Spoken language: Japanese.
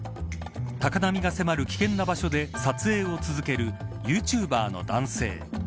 高波が迫る危険な場所で撮影を続けるユーチューバーの男性。